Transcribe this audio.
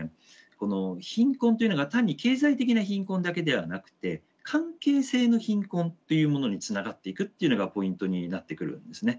この貧困というのが単に経済的な貧困だけではなくて関係性の貧困っていうものにつながっていくっていうのがポイントになってくるんですね。